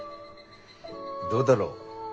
どうだろう？